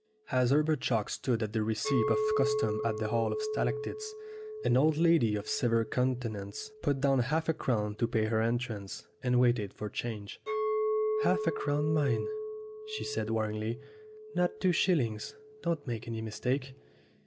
As Herbert Chalk stood at the receipt of custom at the Hall of Stalactites, an old lady of severe counten ance put down half a crown to pay her entrance, and waited for change. "Half a crown, mind!" she said warningly. "Not two shillings. Don't make any mistake